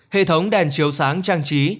hệ thống đèn chiếu sáng trang trí